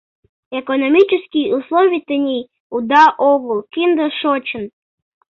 Экономический условий тений уда огыл, кинде шочын.